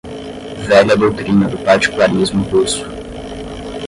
velha doutrina do particularismo russo